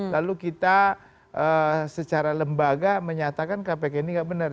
lalu kita secara lembaga menyatakan kpk ini nggak benar